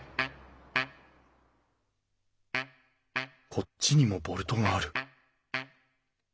こっちにもボルトがある！